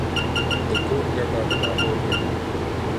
د کور گټه ، دلاهور گټه.